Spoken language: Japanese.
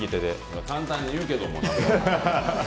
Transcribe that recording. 簡単に言うけども。